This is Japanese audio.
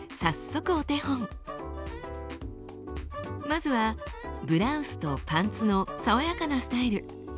まずはブラウスとパンツの爽やかなスタイル。